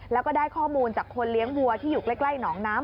แล้วก็ได้ข้อมูลจากคนเลี้ยงวัวที่อยู่ใกล้หนองน้ำ